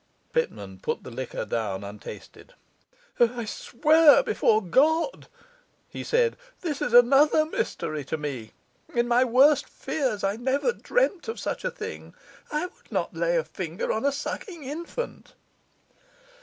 Pitman put the liquor down untasted. 'I swear before God,' he said, 'this is another mystery to me. In my worst fears I never dreamed of such a thing. I would not lay a finger on a sucking infant.